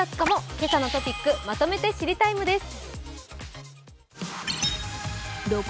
「けさのトピックまとめて知りＴＩＭＥ，」です。